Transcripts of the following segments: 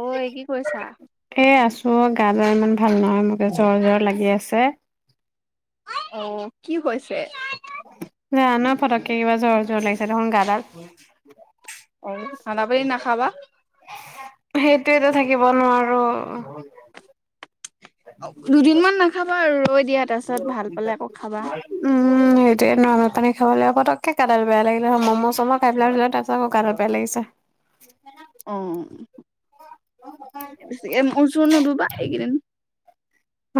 ঐ কি কৰিছা? মোৰ গাটো ইমান ভাল নহয়, মোকে জ্বৰ জ্বৰ লাগি আছে। অ কি হৈছে? জানো পটককে কিবা জ্বৰ জ্বৰ লাগিছে দেখোন গাডাল। অ খানা পিনা নাখাবা। সেইটোয়েতো থাকিব নোৱাৰো। দুদিনমান নাখাবা আৰু ৰৈ দিয়া তাৰ পিছত ভাল পালে আকৌ খাবা। উম সেইটোয়ে নৰ্মেল পানী খাবলৈ পতকে গাডাল বেয়া লাগিলে ন মম' চ'ম' খাই পাই পেলাই তাৰছত আকৌ গাদাল বেয়া লাগিছে। [unintelligible] বেছিকে মূৰ চোৰ নুধুবা এইকেইদিন। অ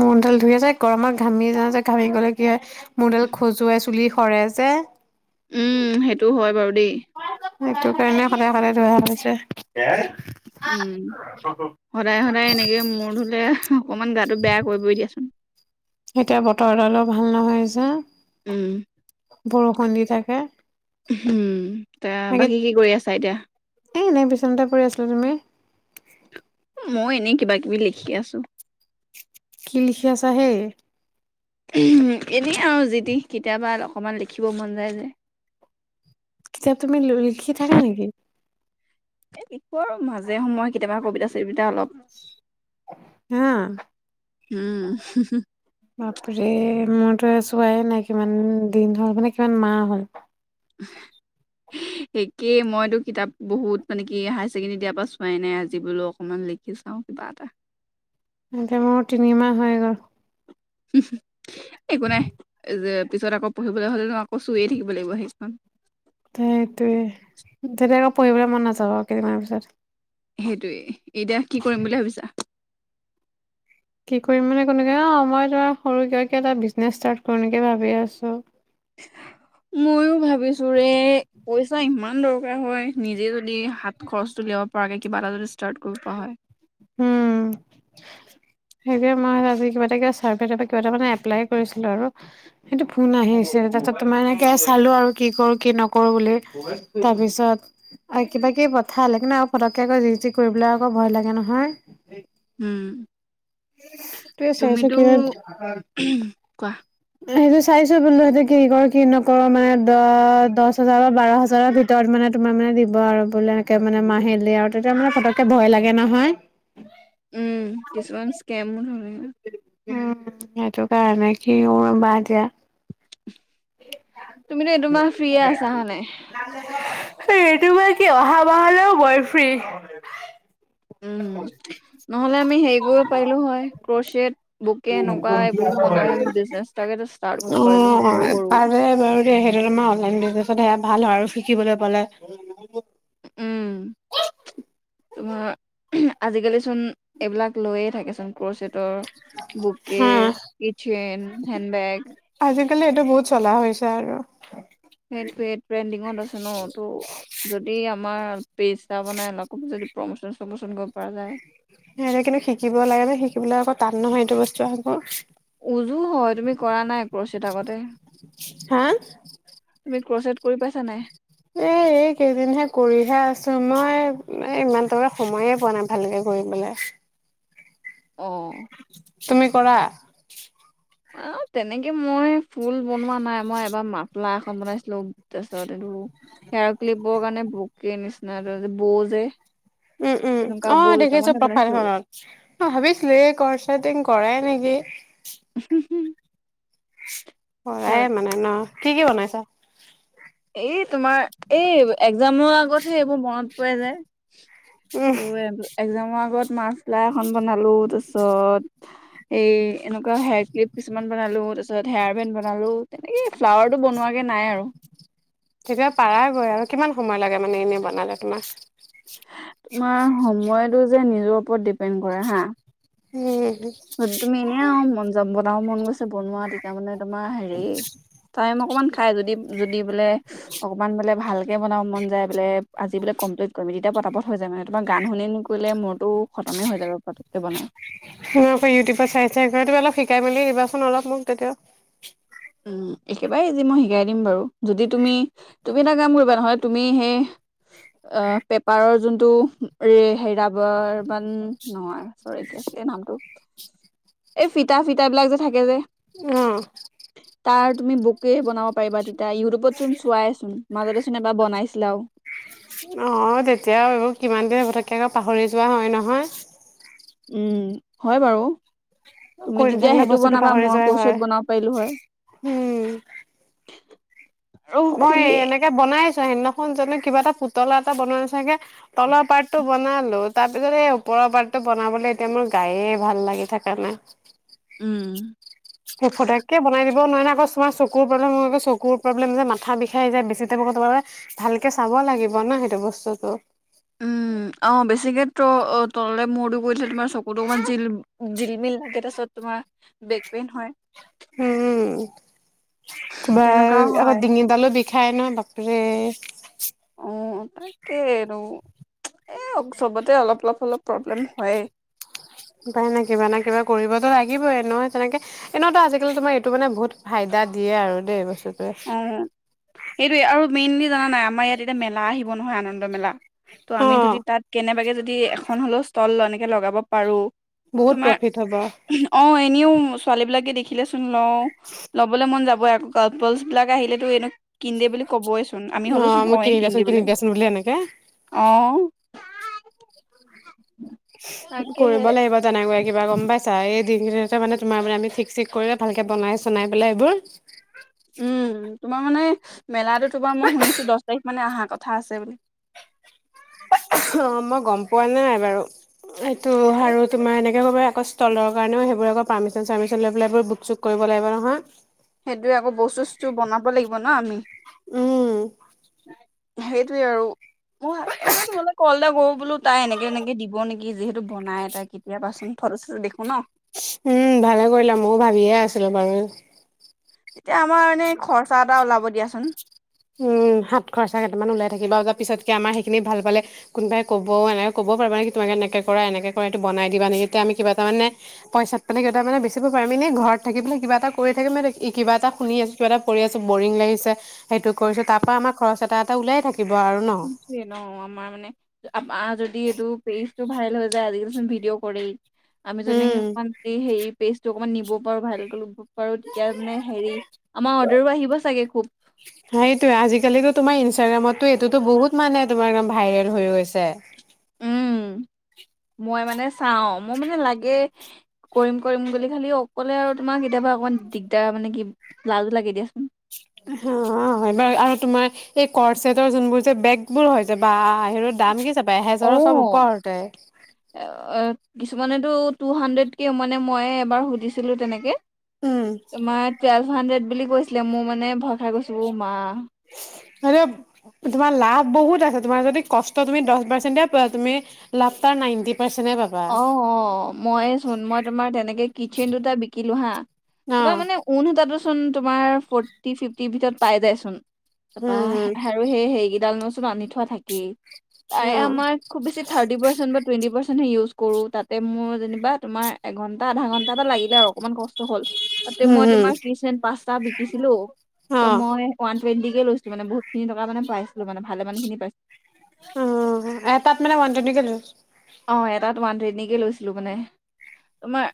মূৰডাল ধুই আছো যে গৰমত ঘামি জাও যে ঘামি গ'লে কি হয় মূৰডাল খজুৱাই চুলি সৰে যে উম সেইটো হয় বাৰু দেই। সেইটো কাৰণে সদায় সদায় ধোৱা হৈছে। উম সদায় সদায় এনেকে মোৰ ধুলে অকমান গাটো বেয়া কৰিবই দিয়াচোন। এতিয়া বতৰ ডালো ভাল নহয় যে। উম। বৰষুণ দি থাকে। হম তা বাকী কি কৰি আছা এতিয়া? এই এনেই বিচনাতে পৰি আছিলো। তুমি? মই এনেই কিবা কিবি লিখি আছোঁ। কি লিখি আছা হে? এনেই আৰু যি টি কেতিয়াবা অকণমান লিখিব মন যায় যে। কিতাপ তুমি লিখি থাকা নেকি? এ লিখোঁ আৰু মাজে সময়ে কেতিয়াবা কবিতা চবি- হা উম বাপৰে মইতো চোৱাই নাই কিমান দিন হল মানে কিমান মাহ হ'ল। [unintelligible] একেই মইতো কিতাপ বহুত মানে কি হায়াৰ ছেকেণ্ডেৰী দিয়াৰ পৰা চোৱাই নাই আজি বুলো অকমান লিখি লিখি চাও কিবা এটা এতিয়া মোৰ তিনি মাহ হৈ গ'ল [unintelligible] একো নাই যে পিছত আকৌ পঢ়িবলৈ হলে নো আকৌ চুইয়ে থাকিব লাগিব সেইখন সেইটোৱে তেতিয়া আকৌ পঢ়িবলৈ মন নাযাব আৰু কেইদিনমান পিছত সেইটোয়ে এতিয়া কি কৰিম বুলি ভাবিছা কি কৰিম মানে কোনকে অ মই তোমাৰ সৰু এটা বিজনেছ ষ্টাৰ্ট কৰি নেকি ভাবি আছো [unintelligible] ময়ো ভাবিছো ৰে পইচা ইমান দৰকাৰ হয় নিজে যদি হাত খৰচ তো উলিয়াব পৰাকৈ কিবা এটা যদি ষ্টাৰ্ট কৰিব পৰা হয় উম সেইয়া মই আজি কিবাটা চাৰ্ভে কিবা টা মানে এপ্লাই কৰিছিলো আৰু সেইটো ফোন আহি আছে তাৰপিছত তোমাৰ এনেকে চালো আৰু কি কৰো কি নকৰো বুলি তাৰপিছত আ কিবা কিবা কিবী পঠালে পটককে আক যি টি কৰিবলৈ আকৌ ভয় লাগে নহয় [unintelligible] উম সেইটোয়ে চাইছোঁ তুমিতো কি কোৱা সেইটো চাইছো বোলো সেইটো কি কৰোঁ কি নকৰো মানে দ দহ হাজাৰ বা বাৰ হাজাৰৰ ভিতৰত মানে তোমাৰ মানে দিব আৰু বোলে একে মানে মাহেলি আৰু তাতে মানে ফটকে ভয় লাগে নহয় উম কিছুমান স্কেমো ধৰে উম সেইটো কাৰণে কি হয় বা এতিয়া তুমিতো এইটো মাহ ফ্ৰী আছা হয় নাই। এইটো মাহ কি অহা মাহলেও মই ফ্ৰী। উম নহলে আমি হেৰি কৰিব পাৰিলো হয়, ক্ৰচেট বুকে এনেকুৱা এইবোৰ বনাই আমি বিজনেচ এটাকে ষ্টাৰ্ট কৰিব পাৰিলো সৰু অ', সৰু। পাৰে বাৰু সেইটো তোমাৰ অনলাইন বিজনেছত সেয়া ভাল হয় আৰু শিকিবলৈ পালে। উম। তোমাৰ আজিকালি চোন এইবিলাক লৈয়ে থাকেচোন ক্ৰচেত। তো বুকে, হা, কি চেইন, হেণ্ড বেগ। আজিকালি এইটো বহুত চলা হৈছে আৰু। সেইটোয়ে সেইটো লিংত আছে ন তো যদি আমাৰ পৈছা বনাই অ যদি প্ৰমোচন চমোন কৰিব পৰা যায়। [unintelligible] সেই কিন্তু শিকিব লাগে নে শিকিবলৈ আকৌ টান নহয় এইটো বস্তু আকৌ। উজু হয় তুমি কৰা নাই ক্ৰচেত আগতে হা তুমি ক্ৰচেট কৰি পাইছা নাই? এ এই কেইদিনহে কৰিহে আছো মই এ ইমান দৰে সময়ে পোৱা নাই ভালকে কৰিপেলে হৌ আহঁ তুমি কৰা অ তেনেকে মই ফুল বনোৱা নাই মই এবাৰ মাপলা এখন বনাইছিলো পিছত হেয়াৰ ক্লিপৰ কাৰণে বকে নিচিন বৌ যে উম তেনেকুৱা উম অ বৌ দেখিছো দুটামানহে বনাইছিলো প্ৰফালখনত অ ভাবিছিলো এই কচটিং কৰাই নেকি নেকি অ তাৰপিছত কৰাই মানে ন কি কি বনাইছা এই তোমাৰ এই একজামৰ আগতহে এইবোৰ মনত পৰে যায় উম তোৰ' একজামৰ আগত মাৰ্ক লাই এখন বনালো তাৰ পিছত সেই এনেকুৱা হেয়াৰ ক্লিপ কিছুমান বনালো তাৰ পিছত হেয়াৰেণ্ড বনালো তেনেকে ফ্লাৱাৰ টো বনোৱাকে নাই আৰু তেতিয়াা পাৰা গৈ আৰু কিমান সময় লাগে মানে এনেই বনালে তোমাক তোমাৰ সময়তটো যে নিজৰ ওপৰত ডিপেণ্ড কৰে হা হম তুমি এনে আৰু মন যাম বনাও মন গৈছে বনোৱা তেতিয়া মানে তোমাৰ হেৰি টাইম অকমান খাই যদি যদি বোলে অকমান বোলে ভালকে বনাব মন যায় বোলে আজি বোলে কম্লট কৰিম তেতিয়া পতাপত হৈ যায় মানে তোমাৰ গান শুনি কৰিলে মোৰতো খমেই হৈ যাব পতকে বনাই আকৌ ইউটিউবত চাই চাই তমি অলপ শিকাই মেলি দিবাচোন অলপ মোক তেতিয়া উম একেবাৰে ইজি মই শিকাই দিম বাৰু যদি তুমি তুমি এটা কাম কৰিবা নহলে তুমি সেই অ পেপাৰৰ যোনটো হে ৰাবৰ মান নহয় চৰে কি আ নামটো এই ফিটা ফিটা বিলাক যে থাকে যে অহ তাৰ তুমি বুকে বনাব পাৰিবা তেতিয়া ইউটিউবত চোন চোৱাইচোন মাজতে চোন এবাৰ বনাই পোলাও। অঁ তেতিয়া এইবোৰ কিমান দেৰি হ'বতকৈ আকৌ পাহৰি যোৱা হয় নহয় উম হয় বাৰু তুমি কৰি তেতিয়া নাথাকিলে সেইটো বস্তুটো বনাবা পাহৰি মই যোৱাই হয়। ক্ৰছেট বনাব পাৰিলো হয় উম, [unintelligible] আৰু মই খুলি এনেকে বনাই আছো সেইদিনাখন জনো কিবা এটা পুতলা এটা বনোৱা নিচাগে তলৰ পাৰ্ট টো বনালো তাৰ পিছত এই ওপৰৰ পাৰ্টটো বনাবলৈ এতিয়া মোৰ গায়ে ভাল লাগি থকা নে উম সেই ফটেকে বনাই দিব নোৱাৰ নে আকৌ তোম চকুৰ প্ৰব্লেম হয় চকুৰ প্ৰব্লেম যে মাথা বিষাই আহি যায় বেছিতে। সেইটো কাৰণে ভালকে চাব লাগিব ন সেইটো বস্তুতটো। উম গৈ থে তোমাৰ চকুতো অকমান জিল জিলমিল, থাকে তাৰপিছত তোমাৰ বেক পেইন হয়। উম, তোমাৰ তেনেকুৱাও আকৌ হয় ডিঙিডালো বিষায় ন বাপে। হে। অ তাকে তো। এ চবতে অলপ অলপ অলপ প্ৰব্লেম হয়ই। উপায় নে কিবা না কিবা কৰিবতো লাগিবই এ নয় তেনেকে এনেওতো আজিকালি তোমাৰ এইটো মানে বহুত ফাইদা। এটা দিয়ে আৰু দেই বস্তু অ সেইটোয়ে আৰু মেইনলি জান নাই আমাৰ ইয়াত এতিয়া মেলা আহিব নহয় আনন্দ মেলা। তো' আমি যদি তাত কেনেবাকে যদি এখন হলেও ষ্টল এনেকে লগাব পাৰো। বহুত তোমাৰ প্ৰফিট হ'ব অহ এই নিউ ছোৱালী বিলাকে দেখিলে চোন লও ল'বলৈ মন যাব আকৈ পপল বিলাক আহিলেত এনে কিদে বুলি কবই। চোন আমি অ হ'লেচোন মোক কওঁয়েই কিনি কিন দিয়াচোন কিনি দিবলে দিয়াচোন বুলি এনেকে অ। তাকেহে কৰিব লাগিব তেনেকৈ কিবা গম পাইছা এই। তিনি দিনতে মানে তোমাৰ মানে আমি ঠিক চঠিক কৰিলে ভালকে বনাই চনাই পেলাই এইবোৰ। উ। [unintelligible] উম তোমাৰ মানে মেলাটো তোমাৰ মই শুনিছো দহ তাৰিখ মানে অহা কথা আছে বুলি। [unintelligible] অ মই গম পোৱা নাই বাৰু, এইটো আৰু তোমাৰ এনেকে কবা। আকৌ ষ্টলৰ কাৰণেও সেইবোৰ আক পাৰমিচন চাৰ্মিচন লৈ পেলাইবোৰ বুক চুক কৰিব লাগিব নহয়। সেইটোয়ে আকৌ বস্তু চস্তু বনাব লাগিব ন আমি। উম সেইটোৱে আৰু। মই সকাৰণে তোমালে কল এটা কৰ বোলো তাই এনেকে এনেকে দিব নেকি যিহেতু বনাই তাই সুবি। ঘৰত তো দেখো ন উম ভালে কৰিলা ময়ো ভাবিয়ে আছিলো বাৰু। তেতিয়া আমাৰ এনেই খৰচা এটা ওলাব দিয়াচোন। সিহঁত খৰিচা কেইটামান উলাই থাকিব বা পিছক কি আমাৰ সেইখিনি ভাল কোনোই কব এনেক কব পাৰা নে তোমালোকে এনেকে কৰা এনেকে কৰা এইটো বনাই দিবা নি আমি কিবা এটা পইচা মানে বেচিব পাৰিম এনে ঘৰত থাকি কিবা এটা কৰি থাকে মে কিবা এটা শুনি আছো কিব এটা কৰি আছো বৰিং লাগিছে। সেইটো কৰিছো তাৰ পৰা আমাৰ খৰচ এটা এটা ওলাই থাকিব আৰু ন। নিয়ে ন আমাৰ মানে আমা যদি এইটো পে। ভাইৰেল হৈ যায় আজি কালিচোন ভিডিঅ কৰি, আমি যেনেক উম অকমান হে পেজ টো অকমান নি- ব পাৰো ভাইৰেল ক'লো। বাৰু তেতিয়া মানে হেৰি আমাৰ অৰ্ডাৰো আহিব চাগে খুব। সেইটোয়ে আজিকালিতো তোমাৰ ইনষ্টাগ্ৰামতো এইটোতো বহুত মানে তোমাৰ ভাইৰেল হৈ গৈছে। উম মই মানে চাও মই মানে লাগে, কৰিম কৰিম বুলি খালি অকলে আৰু তোমাক কেতিয়াবা। অকমান দিগদাৰ, মানে কি লাজো লাগে দিয়াচোন। অ হয় বাৰু আৰু তোমাৰ এই কৰ্চ চেটৰ যোনবোৰ যে বেগ বোৰ হৈ হৈছে বা সেৰো দাম কি। পায় অ', এহেজাৰ চব ওপৰতে। এ, এ, কিছুমানেতো টু হাণ্ড্ৰেডকে মানে ময়ে এবাৰ সুধিছিলোঁ তেনেকে। উম তোমাৰ টুৱেলভ হাড্ৰেড বুলি কৈছিলে মো মানে ভয় খাই গৈছো ও মা। তোমাৰ লাভ বহুত আছে তোমাৰ যদি কষ্ট তুমি দহ পাৰ্চেন্টে। পোৱা তুমি লাভ পাও নাইনতিপ। অ অ মই চোন মই তোমাৰ তেনেকে কিটচেন দুটা বিকিলো হা। অ তপা মানে ঊন সূতা তোচ। তোমাৰ ফোৰটি ফি ফিফটি ভিতৰত পাই যায় চোন, তাপা উম আৰু সেই সেইকেডাল নো- আনি থোৱা থাকেই। তাৰে উম আমাৰ খুব বেছি থাৰ্টি পাৰ্চেন টুৱেন্টি পাৰ্চেন হে ইউজ কৰো তাতে মোৰ যেনিবা তোমাৰ এঘন্। টা আধা ঘন্টা এটা লাগিলে আৰু অকনমান কষ্ট হল তাতে অ উম মই উম তোমাৰ কিচেন পাঁচটা বিকিছিলো। অ ত' মই ওৱানটুৱেণ্টি কে লৈছিলো মানে বহুত খিনি টকা মানে পাইছিলোঁ মানে ভালেমানখিনি পাইছিলোঁ। অ এটাত মানে ওৱান টুৱেণ্টি লয়। অ এটাত ওৱান ট্ৰেনকে লৈছিলো মানে। তোমাৰ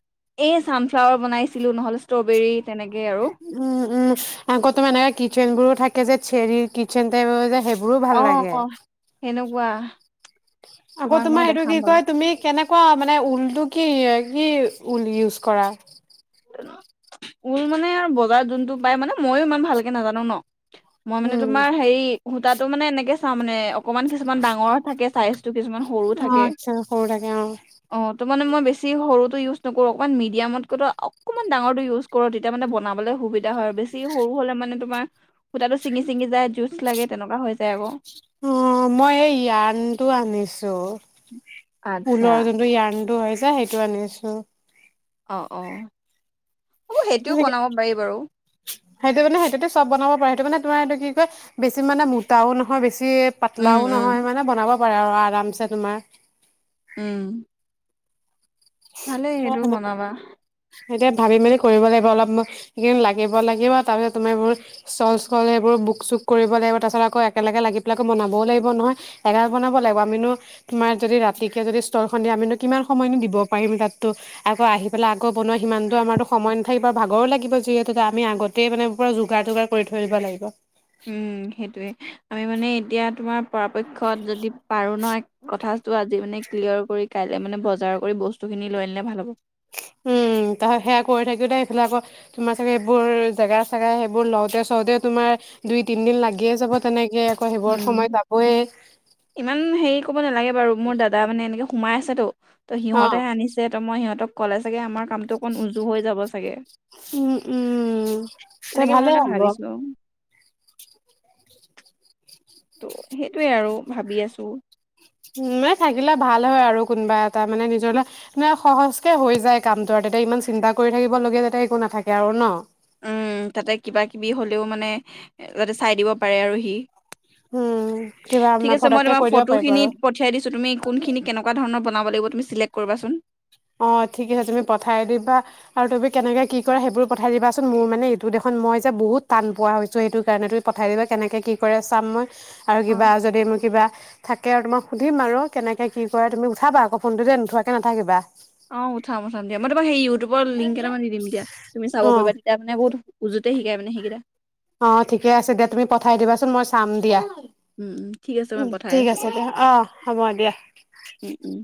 এই চানফ্লাৱাৰ বনাইছিলোঁ নহলে ষ্ট্ৰবেৰী তেনেক- উম উম আকৌ তোমাৰ এনেকা কিটচেন বোৰো থাকে যে চেৰি কিটচেন টাইপৰ যে সেইব- মোৰো ভাল অ' লাগে। অ' সেনেকুৱা আকৌ তোমাক মই তোমাৰ সেইটো দেখাম কি বাৰু কয় তুমি কেনে- কুৱা মানে ঊলটো কি কি ঊল ইউজ কৰা। ঊল মানে আৰু বজাৰত যোনতটো পাই মানে মইয়ো ইমান ভালকে নাজানো ন। মই মানে উম তোমাৰ হেৰি সূতাটো মানে এনেকে চাওঁ মানে অকমান কিছুমান ডাঙৰ থাকে চাইছ। কিছুমান সৰু অ থাকে। আচ্ছা সৰু থাকে অ অ তো মানে মই বেছি সৰুটো ইউজ নকৰোঁ অকণমান মিডিয়ামত কৈ তো অক- অকণমান ডাঙৰটো ইউজ কৰো তেতিয়া মানে বনাবলৈ সুবিধা হয় আৰু বেছি সৰু হলে মানে তোমাৰ সূতাটো ছিঙি চিঙি যায় জোছ লাগে তেনেকুৱা হৈ যায় আক। অ মই যানটো আনিছো আচ্ছা। ঊলৰ যোনটো যান টো হৈ যায়, সেইটো আনিছো। অ অ হ'ব সেইটোও বনাব পাৰি বাৰু। সেইটো মানে সেইটোতে চব বনাব পাৰে সেইটো মানে তোমাৰেইটো কি ক বেছি মানে মোটাও নহয় বেছ- উম, পাতলাও উম, নহয় মানে বনাব পাৰে আৰু আৰামছে তোমাৰ। উম ভালেই সেইটোও বনাবা। এতিয়া ভাবি মেলি কৰিব লাগিব অলপ সময় লাগিব লাগিব তাৰপিছত তুমি বহুত চল স্লল সেইবোৰ বুক -চুক কৰিব লাগিব তাৰপিছত আকৌ একেলগে লাগি পেলাই আকৌ বনাবও লাগিব নহয় একেলগে বনাব লাগিব আমি নো তোমাৰ তাৰ যদি ৰাতিকে যদি ষ্টলখন দিয়ে আমিনো কিমান সময়নো দিব পাৰিম তাততো আকৌ আহি পেলাই আকৌ বনোৱা সিমানটো আমাৰতো সময় নাথাকিব আৰু ভাগৰো লাগিব যিহেতুকে আমি আগত- তেই মানে পুৰা যোগাৰ তোগাৰ কৰি থৈ দিব লাগিব। উম, সেইটোৱে আমি মানে এতিয়া তোমাৰ পৰাপক্ষত যদি পাৰো ন কথাটো আজি মানে ক্লিয়াৰ কৰি কাই- মানে বজাৰ কৰি বস্তু খিনি লৈ আনিলে ভাল হ'ব। তাৰ সেয়া কৰি থাকিও তাই এইফালে আকৌ তোমাৰ চাগে এইবোৰ জেগা চেগা সেইবোৰ লওঁতে চওঁতে তোমাৰ দুই, তিনদিন লাগিয়ে যাব তেনেকে আকৌ সেইবোৰত সময় উম যাবই। ইমান হেৰি ক'ব নালাগে বাৰু মোৰ দাদা মানে এনেকে সোমাই আছে তো অ সিহঁতেহে আনিছে ত মই সিহঁতক ক'লে চাগে আমাৰ কামটো অকণ উজু হৈ যাব চাগে উম, উম, তে তেনেকে মই ভালে মানে হ'ব। ভাবিছো ত' সেইটোৱে আৰু ভাবি আছোঁ উ মানে থাকিলে ভাল হয় আৰু কোনোবা এটা মানে নিজৰলে সহজকে হৈ যায় কামটো তাতে ইমান চিন্তা কৰি থাকিব লগীয়া যাতে একো নাথাকে আৰু ন উম তাতে কিবা কিবি হ'লেও মানে যাতে চাই দিব পাৰে আৰু সি উম, কিবা ঠিক আমাৰ আছে মই ফটককে তোমাৰ কৈ দিব ফটো পাৰিব আৰু খিনিত পঠিয়াই দিছো তুমি কোনখিনি কেনেকোৱা ধৰণৰ বনাব লাগিব তুমি চিলেক কৰিবা চোন অ ঠিক আছে তুমি পঠাই দিবা আৰু তুমি কেনেকে কি কৰা সেইবোৰ পঠাই দিবাচোন মোৰ মানে এইটো দেখ মই যে বহুত টান পোৱা হৈছো সেইটো কাৰণে তুমি পঠাই দিবা কেনেকে কি কৰে চাম মই আৰু অ'। কিবা যদি মোৰ কিবা থাকে আৰু তোমাক সুধিম আৰু কেনেকে কি কৰে তুমি উঠাবা আকৌ ফোনটো দেই নোথোৱাকে নাথাকিবা অ উঠাম উঠাম দিয়া মই তোমাক সেই ইউটিউবৰ লিংক কেইটামান দি দিম এতিয়া তুমি চাব অ'। পাৰিবা তেতিয়া মানে বহুত উজুত তে সিকাই মানে সিগিটা অ ঠিকে আছে দিয়া তুমি পঠাই দিবাচোন মই চাম দিয়া উম উম ঠিক আছে মই উম পঠাই ঠিক আছোঁ আছে বাৰু দে অ হ'ব দিয়া উম উম